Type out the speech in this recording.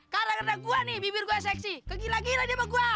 gara gara gua nih bibir gua seksi kegila gila dia apa gua